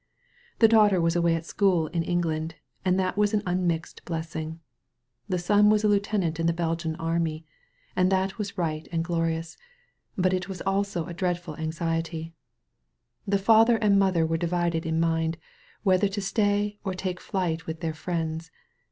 The daughter was away at school in England, and that was an unmixed blessing. The son was a lieutenant in the Belgian army; and that was right £0 A SANCTUARY OF TREES and glorious, but it was also a dreadful anxiety. The father and mother were divided in mind, whether to stay or take flight with their friends.